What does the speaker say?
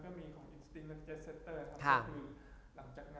คนนี่คนก็อยู่มาต่อจากงานวิ่งเพื่อที่จะสนุกนะ